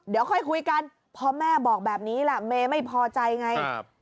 เดี๋ยวค่อยคุยกันพอแม่บอกแบบนี้แหละเมย์ไม่พอใจไง